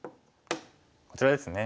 こちらですね。